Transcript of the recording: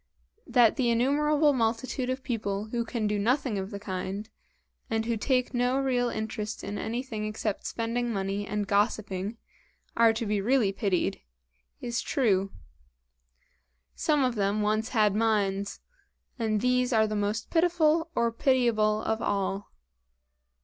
That the innumerable multitude of people who can do nothing of the kind, and who take no real interest in anything except spending money and gossiping, are to be really pitied, is true. Some of them once had minds and these are the most pitiful or pitiable of all.